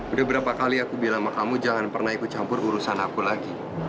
udah berapa kali aku bilang sama kamu jangan pernah ikut campur urusan aku lagi